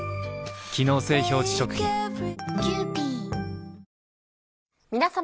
機能性表示食品皆様。